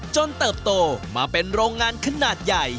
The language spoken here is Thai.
จนเติบโตมาเป็นขนาดใหญ่